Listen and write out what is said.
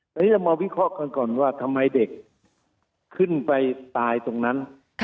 แต่นี่เรามาวิเคราะห์กันก่อนว่าทำไมเด็กขึ้นไปตายตรงนั้น